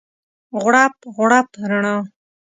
غوړپ، غوړپ رڼا